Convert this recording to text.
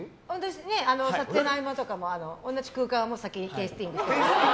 撮影の合間とかも同じ空間を先にテイスティング。